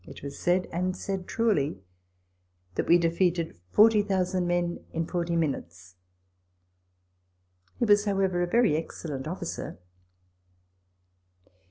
TABLE TALK OF SAMUEL ROGERS 237 said, and said truly, that we defeated forty thou sand men in forty minutes. He was, however, a very excellent officer.